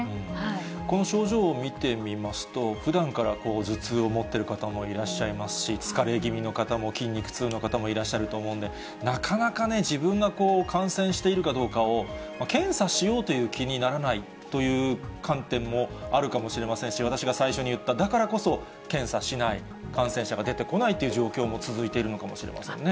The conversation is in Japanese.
この症状を見てみますと、ふだんから頭痛を持ってる方もいらっしゃいますし、疲れ気味の方も、筋肉痛の方もいらっしゃると思うんで、なかなかね、自分が感染しているかどうかを、検査しようという気にならないという観点もあるかもしれませんし、私が最初に言った、だからこそ検査しない、感染者が出てこないという状況も続いているのかもしれませんね。